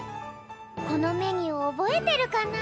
このメニューおぼえてるかな？